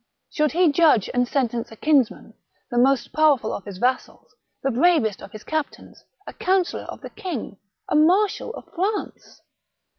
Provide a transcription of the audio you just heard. Should he judge and sentence a kinsman, the most powerful of his vassals, the bravest of his captains, a councillor of the king, a marshal of France